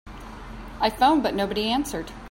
I phoned but nobody answered.